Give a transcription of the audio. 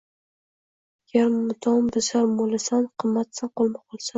Gar mudom bisyor moʼlsan, qimmatsan – qoʼlma-qoʼlsan